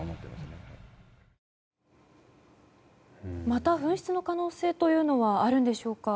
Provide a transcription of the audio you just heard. また噴出の可能性はあるんでしょうか。